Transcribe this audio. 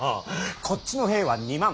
こっちの兵は２万。